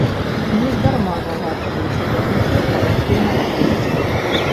Нездарма наладжваліся бягучыя кароткія нарады.